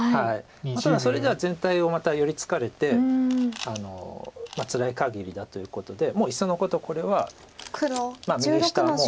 ただそれでは全体をまた寄り付かれてつらいかぎりだということでもういっそのことこれは右下も。